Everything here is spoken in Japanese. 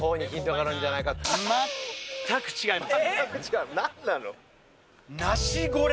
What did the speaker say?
全く違います。